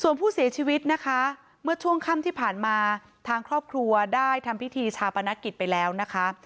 ส่วนผู้เสียชีวิตนะคะเมื่อช่วงค่ำที่ผ่านมาทางครอบครัวได้ทำพิธีชาปนกิจไปแล้วนะคะ